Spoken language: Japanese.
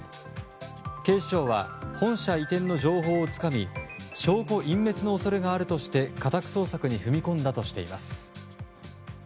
警視庁は本社移転の情報をつかみ証拠隠滅の恐れがあるとして家宅捜索に踏み込んだとしています。